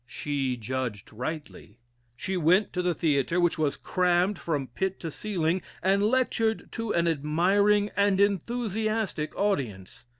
She judged rightly. She went to the theatre, which was crammed from pit to ceiling, and lectured to an admiring and enthusiastic audience.